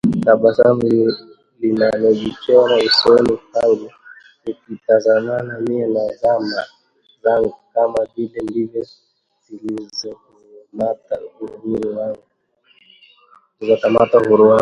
Tabasamu linajichora usoni pangu tukitazamana mie na zana zangu, kama vile ndizo zilizokamata uhuru wangu